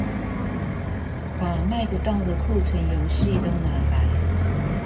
把賣不到的庫存遊戲都拿來